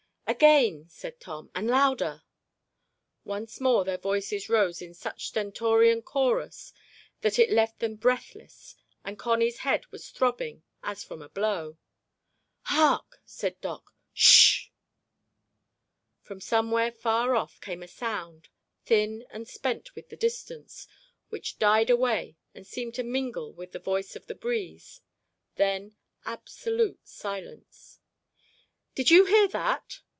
"Again," said Tom, "and louder." Once more their voices rose in such stentorian chorus that it left them breathless and Connie's head was throbbing as from a blow. "Hark!" said Doc. "Shhh." From somewhere far off came a sound, thin and spent with the distance, which died away and seemed to mingle with the voice of the breeze; then absolute silence. "Did you hear that?"